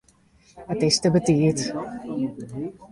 It is te betiid.